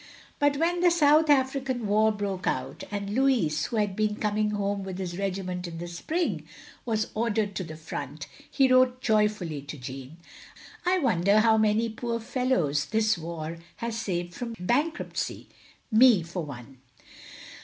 But when the South African War broke out, and Louis, who had been coming home with his regiment in the spring, was ordered to the front, he wrote joyftilly to Jeanne :// wonder how many poor fellows this war has saved from bankruptcy. Me, for one.